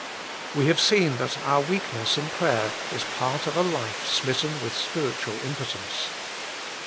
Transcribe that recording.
We have seen that our weakness in prayer is part of a life smitten with spiritual impotence.